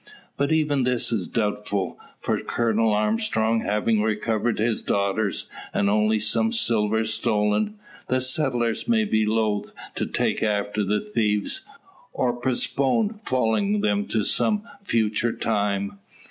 But even this is doubtful. For Colonel Armstrong having recovered his daughters, and only some silver stolen, the settlers may be loath to take after the thieves, or postpone following them to some future time.